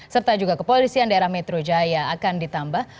serta juga kepolisian daerah metro jaya akan ditambah